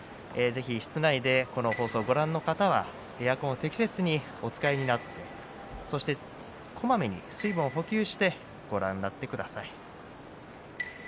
室内で放送をご覧の方はエアコンを適切にお使いになってこまめに水分を補給してご覧になってください。